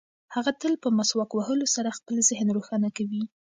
هغه تل په مسواک وهلو سره خپل ذهن روښانه کوي.